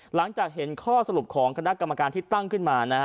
หลังจากเห็นข้อสรุปของคณะกรรมการที่ตั้งขึ้นมานะฮะ